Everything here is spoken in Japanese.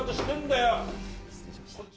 失礼しました。